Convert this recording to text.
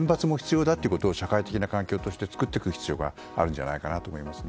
それと厳罰も必要だということを社会的な環境として作っていく必要があると思います。